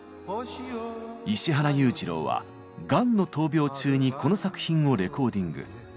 石原裕次郎はがんの闘病中にこの作品をレコーディング。